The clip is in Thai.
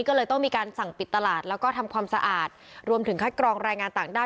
ก็เลยต้องมีการสั่งปิดตลาดแล้วก็ทำความสะอาดรวมถึงคัดกรองรายงานต่างด้าว